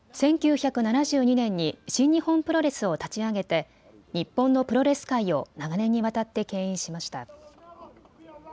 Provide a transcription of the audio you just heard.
１９７２年に新日本プロレスを立ち上げて日本のプロレス界を長年にわたってけん引しました。